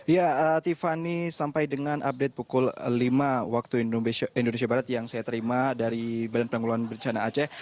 ya tiffany sampai dengan update pukul lima waktu indonesia barat yang saya terima dari badan pengelolaan bencana aceh